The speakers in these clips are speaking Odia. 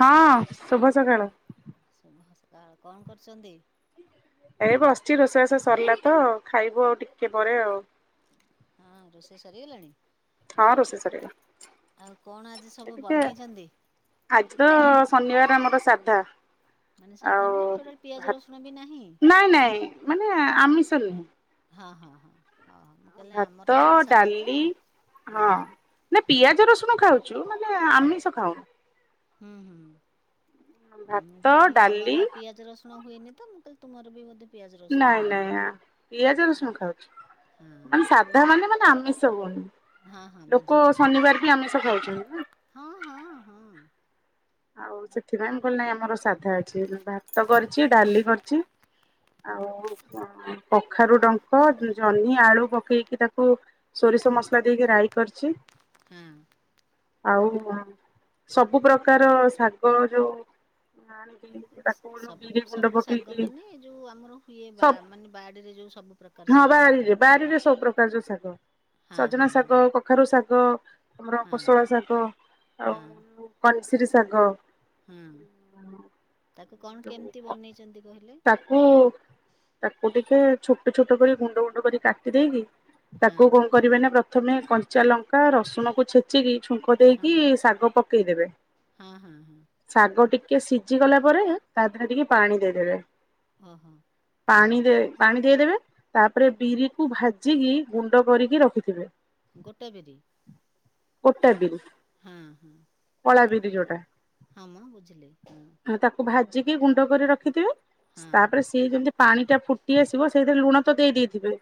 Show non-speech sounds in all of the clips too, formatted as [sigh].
ହଁ ଶୁଭ ସକାଳ। କ କଣ କରୁଛନ୍ତି? ଏବେ ବସିଛି ରୋଷେଇବାଷେଇ ସରିଲା ତ ଖାଇବୁ ଆଉ ଟିକେ ପରେ ଆଉ। ହଁ ରୋଷେଇ ସରିଗଲାଣି। ହଁ ରୋଷେଇ ସରିଲା। ଆଉ କଣ ଆଜି ସବୁ ବନେଇଛନ୍ତି। ଆଜି ତ ଶନିବାର ଆମର ସାଧା। ମାନେ ସାଧା ଆଉ ମାନେ ଟୋଟାଲ ପିଆଜ ରସୁଣ ବି ନାହିଁ? ନାଇଁ ନାଇଁ ମାନେ ଆମିଷ ଚାଲୁ ହଁ ହଁ ହଁ। ହଁ ମୁଁ କହିଲି ଆମର ଭାତ ପୁରା ସାଧା ତ ଡାଲି ହଁ ନା ପିଆଜ ରସୁଣ ଖାଉଛି ମାନେ ହଁ ଆମିଷ ଖାଉନୁ ହୁଁ ହୁଁ। ନାଇଁ ମୁଁ ଭାତ ଭାବିଲି ଡାଲି ଆମର ପିଆଜ ରସୁଣ ହୁଏନି ତ ମୁଁ କାଲି ତୁମର ବି ବ ନାଇଁ ନାଇଁ ଆଁ ପିଆଜ ରସୁଣ ଖାଉଛି। ହଁ ମାନେ ସାଧା ମାନେ ମାନେ ଆମେ ସୁବୁନୁ ହଁ ହଁ ଲୋକ ବୁଝିଲି ଶନିବାର ବି ଆମିଷ ଖାଉଛି। [inaudible] ହଁ ହଁ ହଁ। ଆଉ ସେଠି ମାନ୍ ଭଲ ନାଇଁ ଆମର ସାଧା ଅଛି ଭାତ କରିଛି ଡାଲି କରିଛି ଆଉ ଉଁ କଖାରୁ ଡ଼ଙ୍କ ଜହ୍ନି ଆଳୁ ପକେଇକି ତାକୁ ସୋରିଷ ମସଲା ଦେଇକି ରାଇ କରିଛି। ହୁଁ। ଆଉ ସବୁ ପ୍ରକ୍ ପ୍ରକାର ଶାଗ ଯୋଉ ଆଣିକି କା ସବ୍ ସବୁ ଶାଗ ମାନେ ଯୋଉ ଆମର ହୁଏ ବା ସବ ମାନେ ବାଡିରେ ଯୋଉ ସବୁ ପ୍ରକାର ଶାଗ ହେଇଥାଏ ନାଇଁ କି? ଗ। ହଁ ସଜନା ହଁ ହଁ ଶାଗ, କଖାରୁ ଶାଗ, ହଁ। ଆମର ହଁ କୋଶଳା ଶାଗ ଆଉ -ଉ ଶିରିଷାଗ। ହୁଁ। ତାକୁ କଣ ଯୋଉ କେମିତି ବନେଇଛନ୍ତି, କହ ତାକୁ ତାକୁ ଟିକେ ଛୋଟ ଛୋଟ କରି ଗୁଣ୍ଡ ଗୁଣ୍ଡ କରି କାଟି ଦେଇକି ହଁ ତାକୁ କଣ କରିବେ ନା ପ୍ର ପ୍ରଥମେ କଞ୍ଚା ଲଙ୍କା ରସୁଣକୁ ଛେଚିକି ଛୁଙ୍କ ହଁ ଦେଇକି ଶାଗ ପ କେଇଦେବେ। ହଁ ହଁ ହଁ। ଟିକେ ସିଝିଗଲା ପରେ ତା ଦେହରେ ଟିକଏ ପାଣି ଦେଇଦେବେ। ଓହୋ। ହୁଁ ପାଣି ଦେ ପାଣି ଦେଇଦବେ। ତାପରେ ହଁ ବିରି କୁ ଭାଜ୍ ଜକି ଗୁଣ୍ଡ କରିକି ରଖିଥିବେ। ଗୋଟା ବିରି। ଗୋଟା ବିରି। ହଁ ହଁ କଳା ବିରି। କି ଜଟା? ହଁ ବୁଝିଲି ହଁ। ଜିିକି ଗୁଣ୍ଡ କରି ରଖିଥିବେ। ହଁ ତାପରେ ସିଏ ଯେମତି ପାଣି ଟା ଫୁଟି ଆସିବ ସେଇଥିରେ ଲୁଣ ତ ଦେଇେଇଥିବେ।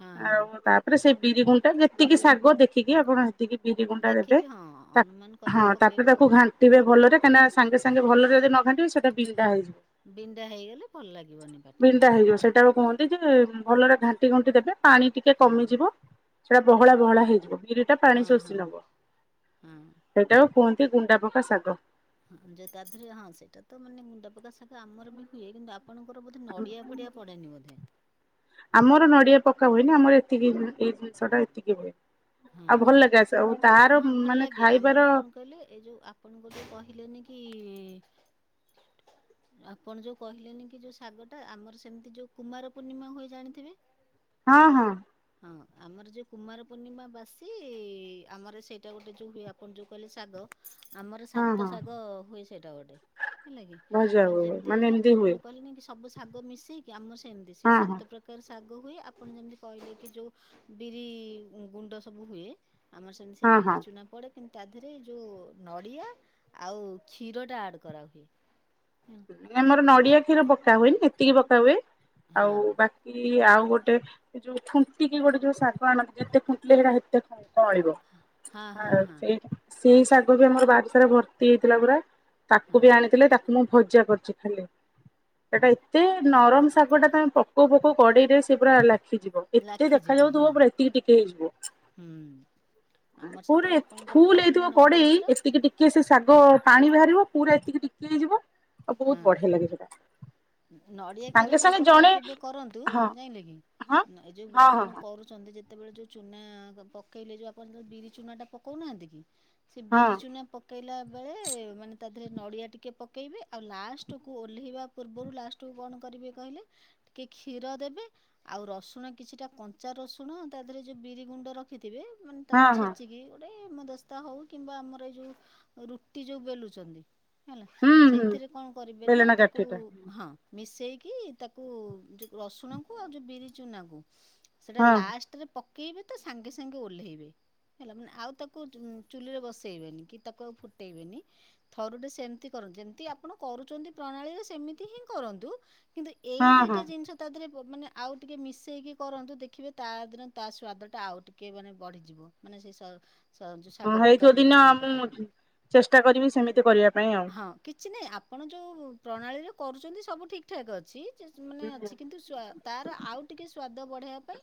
ହଁ ହଁ ଆଉ ତାପରେ ସେଇ ବିରି ଗୁଣ୍ଡଟା ଯେତିକି ଶାଗ ଦେଖିକି ଆପଣ ତିକି ବିରି ଗୁଣ୍ଡା ଦେବେ ଦେଖିକି ହଁ ଅନୁମାନ ହଁ କରିକି ପକେଇବ ତାପରେ ତାକୁ ଆଉ। ଘାଣ୍ଟିବେ ଭଲରେ। କାନା ସାଙ୍ଗେ ସାଙ୍ଗେ ଭଲ ରେ ଯଦି ନ ଘାଟିବି ସେଟା ବିଣ୍ଡା ହେଇଯିବ। ବିଣ୍ଡା ହେଇଗଲେ ଭଲ ଲାଗିବନି ପାଟିକୁ। ବିଣ୍ଡା ହେଇଯିବ ସେଇଟାକୁ କୁହନ୍ତି ଯେ ଭଲରେ ଘାଣ୍ଟି ଘୁଣ୍ଟି ଦେବେ ପାଣି ଟିକେ ହଁ କମିଯିବ। ସେଟା ବହଳା ବହଳା ହେଇଯିବ। ବିରି ଟା ପାଣି ହଁ ଶୋଷି ହଁ ନବ ହଁ। ସେଇଟା କୁହନ୍ତି ଗୁଣ୍ଡାପକା ଶାଗ। ହଁ ତା ଥିରେ ହଁ ତା ଦେହରେ ହଁ ସେଇଟା ତ ମାନେ ଗୁଣ୍ଡ ପକା ଶାଗ ଆମର ବି ହୁଏ କିନ୍ତୁ ଆପଣଙ୍କର ନଡିଆ ଫଡିଆ ପଡେନି ବୋଧେ। ଆମର ନଡିଆ ପକା ହୁଏନି ଆମର ଏତିକି ଏଇ ଜିନିଷ ଟା ଏତିକି ହୁଏ। ଆଉ ହଁ ଭଲ ଲାଗେ ଆସ ଆଉ ତାର ହଁ ଭଲ ମାନେ ଲାଗେ ଖାଇବାର ଆମର କଣ କହିଲେ ଏଇ ଯୋଉ ଆପଣଙ୍କୁ ଯୋଉ କହିଲେନି କି କି ଆପଣ ଯୋଉ କହିଲେନି କି ଯୋଉ ଶାଗ ଟା ଆମର ସେମିତି ଯୋଉ କୁମାର ପୂର୍ଣ୍ଣିମା ହୁଏ ଜାଣିଥିବେ ହଁ ହଁ। ହଁ ଆମର ଯେଉଁ କୁମାର ପୂର୍ଣ୍ଣିମା ବାସି ଆମର ସେଇଟା ଗୋଟେ ଯେଉଁ ହୁଏ ଆପଣ ଯେଉଁ କହିଲେ ଶାଗ ଆମର ହଁ ସାତ ହଁ ଶାଗ ହୁଏ ସେଇଟା ଗୋଟେ ହେଲା କି ଭଜା ମାନେ ହୁଏ ଯେମିତି ଯେମିତି ଏମିତି ହୁଏ ଆପଣ କହିଲେନି କି ସବୁ ଶାଗ ମିଶେଇକି ଆମର ସେମିତି ସେ ହଁ ହଁ ସାତ ପ୍ରକାର ସା ଶାଗ ହୁଏ ଆପଣ ଯେମିତି କହିଲେ ଯୋଉ ବିରି ଗୁଣ୍ଡ ସବୁ ହୁଏ। ଆମର ସେ ସେମିତି ହଁ ହଁ। ବିରି ଚୁନା ପଡେ କିନ୍ତୁ ତା ଦେହରେ ଯୋଉ ନଡିଆ ଆଉ କ୍ଷୀର ଟା ଆଡ କରାହୁଏ। ହଁ ଆମର ହଁ ନଡିଆ କ୍ଷୀର ପକ ପକା ହୁଏନି ଏତିକି ପକା ହୁଏ। ଆଉ ବାକି ଆଉ ଗୋଟେ ଯୋଉ ଖୁଣ୍ଟିକି ଗୋଟେ ଯଉ ଶାଗ ଆଣନ୍ତି ଯେତେ ସେଟା ହେତେ ଙ୍କଅଳିବ ହଁ ଆ ହଁ ହଁ ସେଇଟା ସେଇ ଶାଗ ବି ଆମର ବାରିତଳେ ଭର୍ତି ହେଇଥିଲା ପୁରା ତାକୁ ହଁ ବି ଆଣିଥିଲେ ତା [inaudible] ଭଜା କରୁଛ ଖାଲି। ହଁ ଏଇଟା ଏତେ ନରମ ଶାଗ ଟା ତମେ ପକଉ ପକଉ କଡେଇରେ ସେ ପୁରା ଲାଗି ଦେଖ ଏତେ ଲାଖିଯିବ ଦେଖାଯାଉଥିବ ହଁ ପୁରା ଏତିକି ଟିକେ ହେଇଯିବ ହୁଁ ଆମର ପୁରା ସେଥିରେ ଆପଣଙ୍କର ଫୁଲ ପଡ଼ୁନି ହେଇଥିବ ନଡ଼ିଆ କଡେଇ କ୍ଷୀର ଏତିକି ଟିକେ ସେ ଶାଗ ଓ ପାଣି ବାହାରିବ ପୁରା ଏତିକି ଟିକେ ହେଇଯିବ।। ଆଉ ବହୁତ ବଢିଆ ଲାଗେ ସେଟା - ନଡିଆ କ୍ଷୀର ଥରେ ପକେଇକି ବି କରନ୍ତୁ ହଁ ଜାଇଁଲେକି ହଁ ଏ ଯୋଉ ହଁ ଆପଣ ହଁ କରୁଛନ୍ତି। ଯେତେବେଳେ ଯୋଉ ଚୁନା ପକେଇଲେ ଯୋଉ ଆପଣେବେ ବିରି ଚୁନା ଟା ପକଉନାହାନ୍ତି କି? ସେ ହଁ ବିରି ଚୁନା ପକେଇଲା ବେଳେ ମାନେ ତା ଧରେ ନଡ଼ିଆ ଟିକେ ପକାଇବେ ଆଉ ଲାଷ୍ଟକୁ ଓହ୍ଲାଇବା ପୂର୍ବରୁ ଲାଷ୍ଟକୁ କଣ କରିବି କହିଲେ ଟିକେ କ୍ଷୀର ଦେବେ ଆଉ ରସୁଣ କିଛିଟା କଞ୍ଚା ରସୁଣ ତା ଦେହରେ ଯଉ ବିରି ଗୁଣ୍ଡ ରଖି ଥିବେ ମାନେ ହଁ ତାକୁ ହଁ ଛେଚିକି। ହେମ ଦସ୍ତା ହଉ କିମ୍ବା ଆମର ଏଇ ଯୋଉ ରୁଟି ଯୋଉ ବେଲୁଛନ୍ତି ହେଲା ହୁଁ ହୁଁ ସେଇଥିରେ କଣ କରିବେ ନା ବେଲଣା ତାକୁ କାଠିଟା ହଁ ମିସି ଦେଇକି ତାକୁ ରସୁଣକୁ ଆଉ ଯେଉଁ ବିରି ଚୁନାକୁ ସେଟା ହଁ ଲାଷ୍ଟରେ ପ ପକେଇବେ ତା ସାଙ୍ଗେ ସାଙ୍ଗେ ଓହ୍ଲେଇବେ ହେଲା ମାନେ ଆଉ ତାକୁ ଚୁଲିରେ ବସେଇବେନି କି ତାକୁ ଆଉ ଫୁଟେଇବେନି ଥରୁ ଟ ସେମିତି କରନ୍ତୁ ଯେମିତି ଆପଣ କରୁଛନ୍ତି ପ୍ରଣାଳୀରେ ସେମିତି ହିଁ କରନ୍ତୁ କିନ୍ତୁ ହଁ ଏଇ ହଁ ଦିଟା ଜିନିଷ ତା ଦେହରେ ମାନେ ଆଉ ଟିକେ ମିଶେଇକି କରନ୍ତୁ ଦେଖିବେ ତା ଦିନ ତା ସ୍ଵାଦ ଟା ଆଉ ଟିକେ ମାନେ ବଢିଯିବ ମାନେ ସେ, ହଁ ଶାଗ ପକା ହେଇଥିବ ଯୋଉ ଦିନ ଚୁନା ମୁଁ ପକାରେ ଚେଷ୍ଟା କରିବି ସେମିତି କରିବା ପାଇଁ ଆଉ ହଁ କିଛି ନାଇଁ ଆପଣ ଯୋଉ ପ୍ରଣାଳୀରେ କରୁଛନ୍ତି ସବୁ ଠିକ ଠାକ୍ ଅଛି। ମାନେ ହୁଁ ଅଛି କିନ୍ତୁ ତାର ଆଉ ଟିକେ ସ୍ଵାଦ ବଢେଇବା ପାଇଁ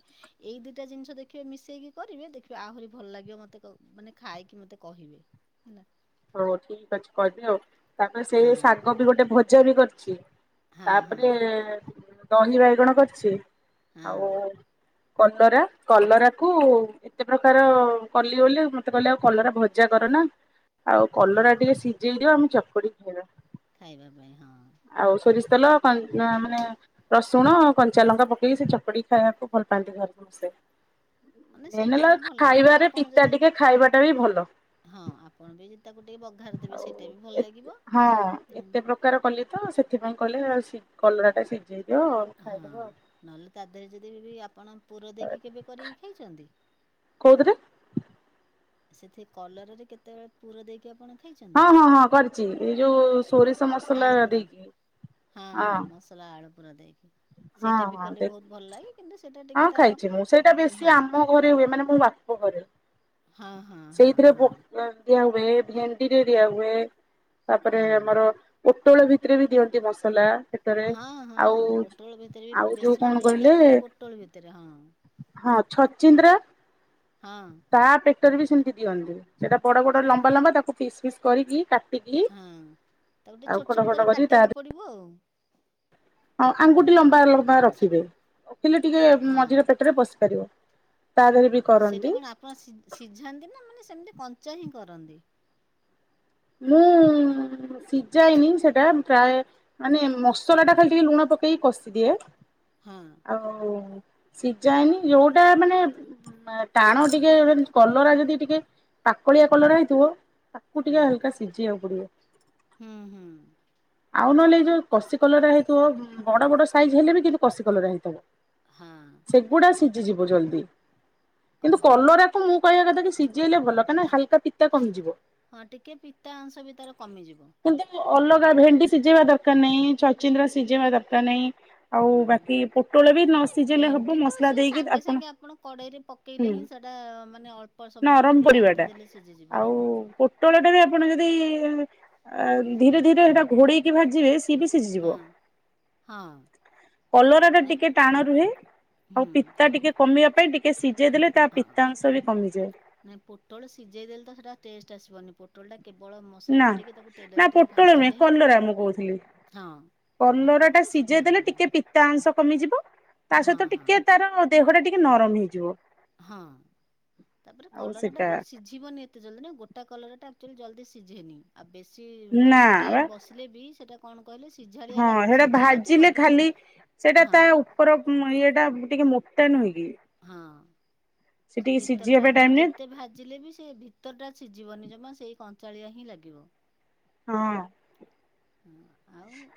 ଏଇ ଦିଇଟା ଜିନିଷ ଦେଖିବେ ମିଶେଇକି କରିବେ ଦେଖିବେ ଆହୁରି ଭଲ ଲାଗିବ ମତେ ମାନେ ଖାଇକି ମତେ କହିବେ। ହଉ ଠିକ ଅଛି କରିବିଆଉ। ତାପରେ ହଁ ସେଇ ଶାଗ ବି ଗୋଟେ ଭ ଜବ୍ ବି କରିଛି। ହଁ ହଁ ତାପରେ ଦହି ବାଇଗଣ କରିଛି ହଁ ଆଉ କଲରା କଲରା କୁ ଏତେ ପ୍ରକାର କଲି ବୋଲିଲେ ମତେ କହିଲେ ଆଉ କଲରା ଭଜା କର ନା ଆଉ ହଁ କଲର ଟିକେ ସିଝେଇ ଦିିବ ଆମ ଚପ କରି କିଏ [inaudible] ଖାଇବା ପାଇଁ ହଁ, ଆଉ ସୋରିଷ ତେଲ ମାନେ ରସୁଣ କଞ୍ଚା ଲଙ୍କା ପକେଇକି ସେ ଚକଡି ଖାଇବାକୁ ଭଲ ପାଆନ୍ତି ଘରେ ସମସ୍ତେ। ମାନେ ମେନ୍ ସେଇଟା ହେଲା ବି ଭଲ ଲାଗେ ଖାଇବାରେ ଆପଣ ପିତା ଯଦି ଟିକେ ଖାଇବାଟା ବି ଭଲ ହଁ ଆପଣ ବି ଯଦି ତାକୁ ଟିକେ ବଘାର ଦେବେ ଆଉ ସେଇଟା ବି ଭଲ ଏ ଲାଗିବ। ହୁଁ। ଅ ସେଥିପାଇଁ କଲେ ଆଉ କଲରା ଟା ସି ହଁ ନହେଲେ ତା ଦେହରେ ଯଦି ବି ଆପଣ ପୁର ଦେଇକି କେବେ କରିକି ଖାଇଚନ୍ତି? କଉଦିରେ? ସେଥି କଲରରେ କେତେବେଳେ ପୁର ଦେଇକି ଆପଣ ଖାଇଛନ୍ତି? ହଁ ହଁ ହଁ କରିଚି। ଏଇ ଯଉ ସୋରିଷ ମସଲା ଆଳୁ ପୁର ଦେଇକି। ହଁ। ପୁର ଦେଇକି। ହଁ ସେଇଟା ବି ହଁ କଲେ ଦେ ବହୁତ ଭଲ ଲାଗେ କିନ୍ତୁ ସେଇଟା ହଁ ଟିକେ ତାର ଖାଇଚି ମୁଁ। ସେଇଟା ଉଁ, ହଁ ବେଶୀ ଆମ ଘରେ ହୁଏ ମାନେ ମୋ ବାପ ଘରେ। ହଁ ହଁ ହଁ ସେଇଥିରେ ହଁ ପ ଦିଆ ହୁଏ ଭେଣ୍ଡିରେ ଦିଆହୁଏ। ତାପରେ ହଁ। ଆମର ଉଁ ପୋଟୋଳ ଭିତରେ ବି ଦିଅନ୍ତି ମସଲା। ପେଟରେ ହଁ ହଁ ଆଉ ପୋଟଳ ଭିତରେ ଆଉ ବି ଯୋଉ ବେଶୀ କଣ ଭଲ ଲାଗେ କହିଲେ ଆକ୍ଚ୍ୱଲି ପୋଟଳ ଭିତରେ ହଁ। ହଁ ଛଚିନ୍ଦ୍ରା ହଁ ତା ପେଟର ବି ସେମ ହି ଦିଅନ୍ତି। ସେଇଟା ବଡ ବଡ ସେଟା ଲମ୍ବା ଲମ୍ବା ତାକୁ ପିସ୍‌ ପିସ୍‌ କରିକି କା ହଁ ତାକୁ ଟିକେ ଛୋଟ ଛୋଟ ଖଣ୍ଡ କରି ତା କାଟିବାକୁ ପଡିବ ଆଉ। ହଁ ଆଙ୍ଗୁଠି ଲମ୍ବା ଲମ୍ବା ସେ ରଖିବେ। ରଖିଲେ ଟିକେ ମଝିରେ ପେଟରେ ପସି ପାରିବ। ତା ଦେହରେ ବି କରନ୍ତି ସେଟା କଣ ଆପଣ ସି ସିଝାନ୍ତି ନା ମାନେ ସେମିତି କଞ୍ଚା ହିଁ କରନ୍ତି। ମୁଁ ସିଝାଏନି ସେଟା। ପ୍ରାୟ ମାନେ ମସଲା ଟା ଖାଲି ଟିକେ ଲୁଣ ପକେଇକି କଷିଦିଏ। ହଁ ଆଉଁ। ସିଝାଏନି ଯଉଟା ମାନେ ଏ ଟାଣ ଟିକେ କଲରା ଯଦି ଟିକେ ପାକଳିଆ କଲରା ହେଇଥିବ। ତାକୁ ହଁ ଟିକେ ହା ସିଜି ବାକୁ ପଡିିବ। ହୁଁ ହୁଁ। ଆଉ ନହେଲେ ଏଇ ଯୋଉ କଷି କଲରା ହେଇଥିବ, ବଡ ବଡ ସାଇଜ୍ ହେଲେ ବି କିନ୍ତୁ କଷି କଲରା ହେଇଥିବ। ହଁ ସେଗୁଡା ଶି ସିଜିଜିବ ଜଲଦି। କିନ୍ତୁ ଓହୋ। କଲରାକୁ ମୁଁ କହିବା କଥା ଶିଘ୍ ସିଜିଗଲେ ଭଲ କାଁଇକି ନା ହାଲକା ପିତା କମିଯିବ। ହଁ ଟିକେ ପିତା ଅଂଶ ବି ତାର କମିଯିବ। କିନ୍ତୁ ଅଲଗା ଭେଣ୍ଡି ସିଝେଇବା ଦରକାର ନାହିଁ ଛଇଚିନ୍ଦ୍ରା ସିଝେଇବା ଦରକାର ନାହିଁ। ଆଉ ବାକି ପୋଟଳ ବି ନ ହଁ ସିଝେଇଲେ ହବ ଭେଣ୍ଡି ତ ମସଲା ସିଏ ଦେଇକି ସାଙ୍ଗେ ସାଙ୍ଗେ ଆପଣ କଡେଇରେ ପକେଇଲେ ହୁଁ ହିଁ ସେଟା ମାନେ ଅଳ୍ପ ସମୟ ନରମ ଟିକେ ପରିବା ଟା ରାନ୍ଧିଦେଲେ ସିଝିଯିବ ଆଉ ହଁ। ପୋଟଳ ଟା ବି ଆପଣ ଧୀରେ ଧୀରେ ସେଟା ଘୋଡେଇକି ଭାଜିବେ ସେ ଇଏବି ସିଝିଯିବ ହଁ ହଁ କଲରା ଟା ନାଇଁ ଟିକେ ଟାଣ ରୁହେ ଆଉ ହୁଁ ପିତା ଟିକେ କମିବା ପେ ଟିକେ ସି ଯେ ଦେଲେ ତା ହଁ ପିତାଂଶ ବି କମିଯିବ। ବନି ପଟଳ ଟା ନା ନା ପୋଟଳ ନୁହେଁ ଭାଜିଲେ ହିଁ କଲରା ମୁଁ କହୁଥିଲି ହଁ କଲରା କଲରାଟାକୁ ଟା ଟିକେ ସିଝେଇ ସିଝେଇବାକୁ ଦେଲେ ପଡ଼ିବ ଟିକେ ପିତା ଅଂଶ କମିଯିବ ତା ହଁ ସହିତ ହଁ ଟିକେ ତାର ଦେହ ଟା ଟି ଏ ନରମ ହେଇଯିବ। ହଁ ତାପରେ ଆଉ କଲରା ଟା ସେଟା ବି ସିଝିବନି ଏତେ ଜଲଦି ନା ଗୋଟା କଲରା ଟା ଜଲଦି ସିଝେନି ଆ ବେ ଚି ନା ମାନେ ବା ଟାଇମ୍ ବସିଲେ ବି ସେଇଟା ହଁ ସେଟା ଭାଜିଲେ କିନ୍ତୁ ଖାଲି ସେଟା ହଁ ତା ଉପର ଇଏଟା ଟିକେ ମୋ ତା ନୂହେଁ କି ହଁ ସେ ଟିକେ ଭିତର ସିଝିବା ଟା ପାଇଁ ଆପଣ ଟାଇମ ନିଏ ଯେତେ ଭାଜିଲେ ବି ସେ ଭିତର ଟା ସ ଜୀବନି ଜମା ସେଇ କଞ୍ଚାଳିଆ ହିଁ ଲାଗିବ। ହଁ। [inaudible]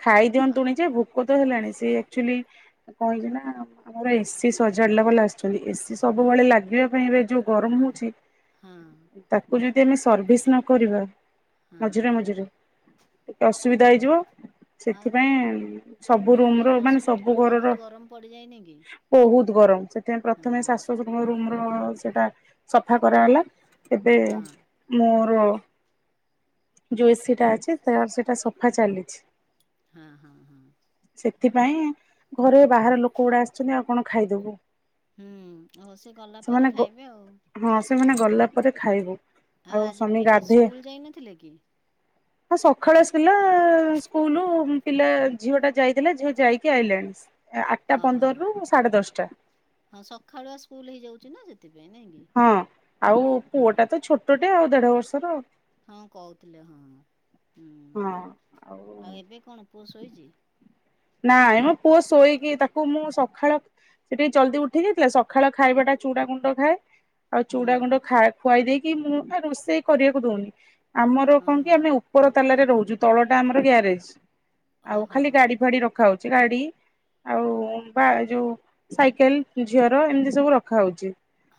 ଖାଇ ଆ ଦିଅନ୍ତୁଣି ଯେ ଭୋକ ହେଲାଣି ସେ ଆକଚୁଆଲି କଣ ହେଇଛି ନା ଆମର ଏସି ସଜାଡିଲା ବାଲା ଆସିଛନ୍ତି ଏସିି ସବୁବେଳେ ଲାଗିବା ପାଇଁ ଏ ଯୋଉ ଗରମ ହଉଚି ହଁ ତାକୁ ଯ ଦି ଆମେ ସର୍ଭିସ୍ ନ କରିବା ହଁ ମଝିରେ ମଝିରେ ଟିକେ ଅସୁବିଧା ହେଇଯିବ। ଆଉ ସେଥିପାଇଁ ସବୁ ରୁମ୍ ତାପରେ ର ଏ ମାନେ ବର୍ଷ ବି ସବୁ ଟିକେ ଘରର ବହୁତ ଗରମ ପଡ଼ିଯାଇନି କି? ବହୁତ ଗରମ ସେଥିପାଇଁ ହଁ ପ୍ରଥମେ ଶାଶୁ ଶଶୁର ଙ୍କ ରୁମ୍ ହଁ ସେଟା ସଫା କରାଗଲା। ଏବେ ହଁ ମୁଁ ଓ ଯୋଉ ଏସି ଟା ଅଛି ତ ସେଇଟା ସଫା ଚାଲିଚି। ହଁ ହଁ। ସେଥିପାଇଁ ଘରେ ବାହାର ଲୋକ ଗୁଡା ଆସିଛନ୍ତି ଆଉ କଣ ଖାଇଦବୁ। ହୁଁ ଆଉ ସେ ଗଲା ପରେ ସେମାନେ ଗ ଖାଇବେ ଆଉ। ହଁ ସେମାନେ ଗଲା ପରେ ଖାଇବୁ। ଆଉ ଆଜି ସ୍ୱାମୀ ପିଲା ଗାଧେ ସ୍କୁଲ ଯାଇନଥିଲେକି? ହଁ ସକାଳୁ ଆସିଲା ସ୍କୁଲ ପିଲା ଝିଅ ଟା ଯାଇଥିଲା ଝିଅ ଯାଇକି ଆଇଲାଣି। ଆଠଟା ଅହୋ ପନ୍ଦରରୁ ହ ସାଢେ ଦଶଟା ହଁ ସଖାଳୁଆ ସ୍କୁଲ ହେଇଯାଉଚି ନା ସେଥିପାଇଁ ନାଇଁ କି ହଁ ଆଉ ହଁ ପୁଅଟା ତ ଛୋଟ ଟେ ଆଉ ଦେଢ ବର୍ଷର। ହଁ କହୁଥିଲେ ହଁ। ହୁଁ ଆଉ ଏବେ କଣ ପୁଅ ଶୋଇଚି। ନାଇଁ ମୋ ପୁଅ ଶୋଇକି ତାକୁ ମୁଁ ସଖାଳ ସେ ଟିକେ ଜଲଦି ଉଠି ଯାଇଥିଲା ସଖାଳ ଖାଇବା ଟା ଚୁଡ ଗୁଣ୍ଡ ଖାଏ। ଆଉ ହୁଁ ଚୁଡା ଗୁଣ୍ଡ ଖା ଖୁଆଇ ଦେଇେଇକି କି ମୁଁ ରୋଷେଇ କରିବାକୁ ଦଉନି। ଆମର ହଁ କଣ ହଁ କି ଆମେ ଉପର ତାଲାରେ ରହୁ ଯୋଉ ତଳଟା ଆମର ଗ୍ୟାରେଜ। ଆଉ ଅହୋ। ଖାଲି ଗାଡି ରଖାହଉଚି ଗାଡି ଆଉ ବା ଯୋଉ ସାଇକେଲ ଝିଅର ଏମିତି ସବୁ ରଖାହଉଚି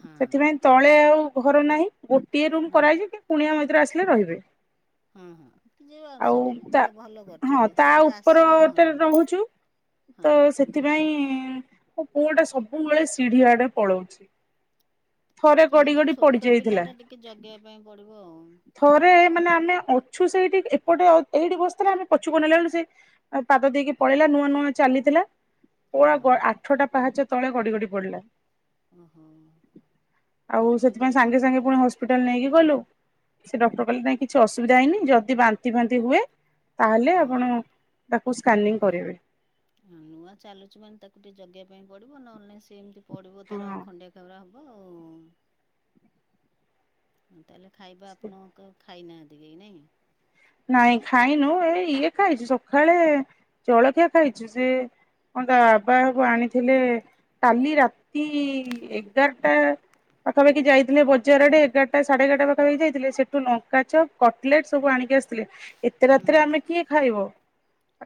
ହଁ ସେଥିପାଇଁ ତଳେ ଆଉ ଘରୁ ନାହିଁ। ଗୋଟିଏ ରୁମ ନା କରାହେଇଚି କି କୁଣିଆ ମଇ ତ୍ର ଆସିଲେ ରହିବେ। ହଁ ହଁ [unintelligible] ଆଉ ସେଇଟା ବି ଭଲ ଭଲ କରିଚନ୍ତି ଯିଏ ଗୋଟେ ଆସିଲେ ହଁ। ତାରେ ରହୁଛୁ ତ ହଁ ସେଥିପାଇଁ ମୋ ପୁଅ ଟା ସବୁବେଳେ ସିଢିଆଡେ ପଳଉଚି। ଯେହେତୁ ଛୋଟ ପିଲା ଟା ଟିକେ ଜଗେଇିବା ପାଇଁ ପଡିବ ଆଉ। ଥରେ ମାନେ ଅଛୁ ସେଇଠି ଏପଟେ ଅ ଏଇଠି ବସିଥିଲା ଆମେ ପଛୁକୁ ନେଲା ବଳୁ ସେ ପାଦ ଦେଇକି ପଳେଇଲା ନୂଆ ନୂଆ ଚାଲିଥିଲା। ପୁରା ଗ ହଁ ଆଠଟା ପାହାଚ ତଳେ ଗଡି ଗଡି ପଡ଼ିଲା। ଓହୋ ଆଉ ସେଥିପାଇଁ ନୁ ସାଙ୍ଗେ ସାଙ୍ଗେ ପୁଣି ହ ହପିଟାଲ ନେଇକି ଗଲୁ ସେ ଡକ୍ଟର କହିଲେ ନାଇଁ କିଛି ଅସୁବିଧା ହେଇନି ଯଦି ବାନ୍ତି ଫାନ୍ତି ହୁଏ ତାହେଲେ ଆପଣ ତାକୁ ସ୍କାନିଂ କରିବେ। ହଁ ନୂଆ ଚାଲୁଚି ମାନେ ତାକୁ ଟିକେ ଜଗେଇବା ପାଇଁ ପଡିବ ନହେଲେ ନାଇଁ ସେ ସେ ଏମିତି ପଡ଼ିବ ତାର ହଁ ଖଣ୍ଡିଆ ଖାବରା ହବ। ଆଉ ତାଲେ ଖାଇବା ଆପଣଙ୍କ ଖାଇନାହାନ୍ତି କେହି ନାହିଁ। ନାଇଁ ଖାଇନୁ ଏଇ ଇଏ ଖାଇଛୁ ସକାଳେ ଜଳଖିଆ ଖାଇଛୁ ସେ କଣ ତା ବାବା ସବୁ ଆଣିଥିଲେ କାଲି ରାତି ଏଗାରଟା ପାଖାପାଖି ଯାଇଥିଲେ ବଜାରରେ ଏଗାରଟା ସାଢେ ଏଗାରଟା ପାଖାପାଖି ଯାଇଥିଲେ ସେଠୁ ଲଙ୍କା ଚପ୍ କଟଲେଟ ସବୁ ଆଣିକି ଆସିଥିଲେ ଥିଲେ। ଏତେ ହୁଁ ରାତିରେ ଆମେ କିଏ ଖାଇବ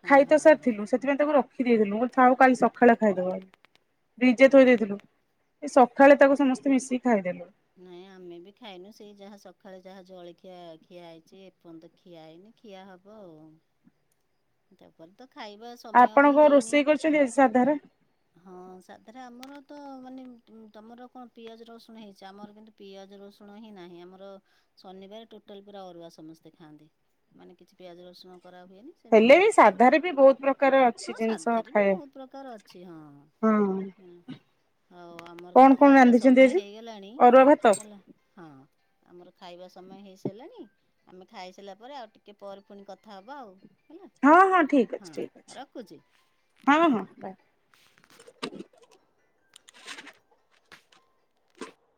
ହଁ ଖାଇ ତ ହଁ ହଁ ସାରିଥିଲୁ ସେଥିପାଇଁ ତାକୁ ରଖ ରଖି ଦେଲି ମ ଥାଉ କାଲି ସକାଳେ ଖାଇଦବା ଫ୍ରିଜ ରେ ହଁ ଥୋଇ ହଁ। ଦେଇଥିଲୁ ଏ ସକାଳେ ତାକୁ ସମସ୍ତେ ମିଶିକି ଖାଇଦେଲୁ। ନାଇଁ ଆମେ ବି ଖାଇନୁ ସେଇ ଯାହା ସକାଳେ ଯାହା ଜଳଖିଆ ଖିଆ ହେଇଛି ଏପର୍ଯ୍ୟନ୍ତ ଖିଆ ହେଇନି ଖିଆ ହବ ଆଉ ତାପରେ ଖାଇବା ସମୟ ଆପଣ ବି କଣ ହେଇନି ରୋଷେଇ କରିଛନ୍ତି ଆଜି ସାଧାରେ ହଁ ସାଧରେ ଆମର ତ ମାନେ ତମର କଣ ପିଆଜ ରସୁଣ ହେଇଛି ଆମର କିନ୍ତୁ ପିଆଜ। ି ରସୁଣ ହିଁ ନାହିଁ ଆମର ଶନିବାର ଟୋଟାଲ ପୁରା ଅରୁଆ ସମସ୍ତେ ଖାଆନ୍ତି ମାନେ କିଛି ପିଆଜ ରସୁଣ ଖରା ହୁଏନି ସେନ ହେଲେ ବି ଭାତ ସାଧାରେ ବି ବହୁତ ପ୍ରକାର ଅଛି ହଁ ଜିନିଷ ସାଧାରେ ବି ବହୁତ ଖାଇବା ପ୍ରକାର ଅଛି ହଁ ହଁ ହେଲା ହଉ ଆମର ତ କଣ କଣ ଖାଇବା ରାନ୍ଧିଛନ୍ତି ସମୟ ଆଜି? ହେଇଗଲାଣି ହେଲା ହଁ ଆମର [inaudible] ଖାଇବା ସମୟ ହେଇସାରିଲାଣି ଆମେ ଖାଇସାରିଲା ପରେ ଆଉ ଟିକେ ପରେ ପୁଣି କଥା ହବା ଆଉ ହେଲା ହଁ ହଁ ଠିକ ଅଛି ହଁ ଠିକ ଅଛି ରଖୁଛି ହଁ ହଁ